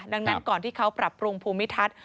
ดังนั้นก่อนที่เขาปรับปรุงภูมิทัศน์